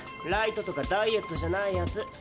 ライトとかダイエットじゃないやつ。